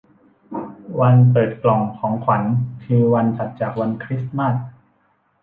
วันเปิดกล่องของขวัญคือวันถัดจากวันคริสต์มาส